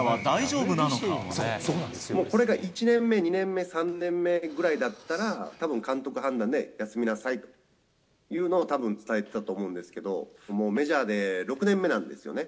もう、これが１年目、２年目、３年目ぐらいだったら、たぶん監督判断で休みなさいっていうのを、たぶん伝えてたと思うんですけど、もうメジャーで６年目なんですよね。